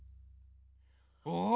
お。